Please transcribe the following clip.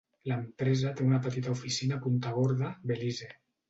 L'empresa té una petita oficina a Punta Gorda, Belize.